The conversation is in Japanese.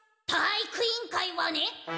体育委員会はね